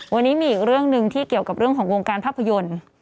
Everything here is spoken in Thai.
วันนี้มีอีกเรื่องหนึ่งที่เกี่ยวกับเรื่องของวงการภาพยนตร์